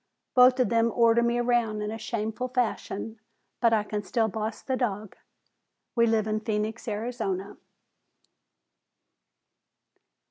Both of them order me around in a shameful fashion, but I can still boss the dog! We live in Phoenix, Arizona."